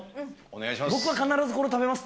お願いします。